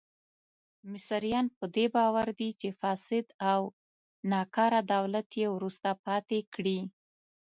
مصریان په دې باور دي چې فاسد او ناکاره دولت یې وروسته پاتې کړي.